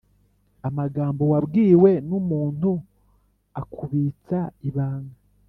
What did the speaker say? Amagambo wabwiwe n’umuntu akubitsa ibanga